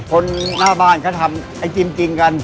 คนหน้าบ้านก็ทำไอติมจริงกัน